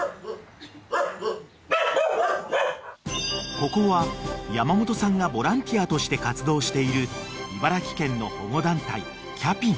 ［ここは山本さんがボランティアとして活動している茨城県の保護団体ＣＡＰＩＮ］